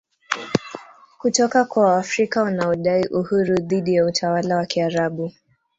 kutoka kwa Waafrika wanaodai uhuru dhidi ya utawala wa Kiarabu